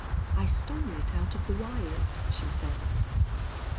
"I stole it out of the wires," she said.